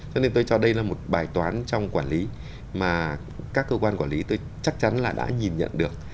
cho nên tôi cho đây là một bài toán trong quản lý mà các cơ quan quản lý tôi chắc chắn là đã nhìn nhận được